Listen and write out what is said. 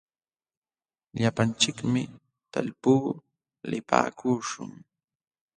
Llapanchikmi talpuu lipaakuśhun.